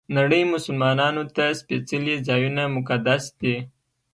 نړۍ مسلمانانو ته سپېڅلي ځایونه مقدس دي.